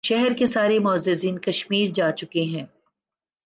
شہر کے سارے معززین کشمیر جا چکے ہیں